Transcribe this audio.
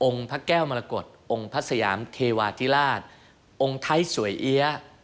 พระแก้วมรกฏองค์พระสยามเทวาธิราชองค์ไทยสวยเอี๊ยะ